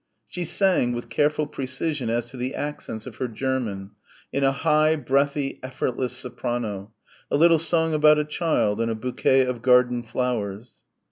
She sang, with careful precision as to the accents of her German, in a high breathy effortless soprano, a little song about a child and a bouquet of garden flowers.